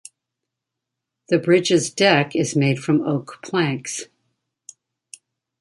The bridge's deck is made from oak planks.